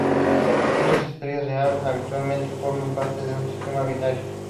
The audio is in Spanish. Muchas estrellas Am habitualmente forman parte de un sistema binario.